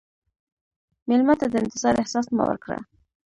مېلمه ته د انتظار احساس مه ورکړه.